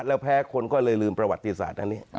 แล้วแพ้คนก็เลยลืมประวัติศาสตร์อันนี้